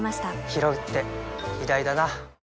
ひろうって偉大だな